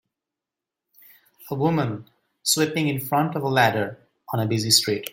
A woman sweeping in front of a ladder on a busy street.